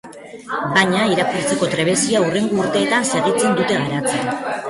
Baina irakurtzeko trebezia hurrengo urteetan segitzen dute garatzen.